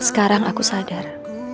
sekarang aku sadar